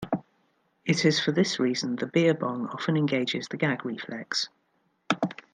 It is for this reason the beer bong often engages the gag reflex.